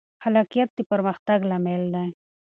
خلاقیت د پرمختګ لامل دی.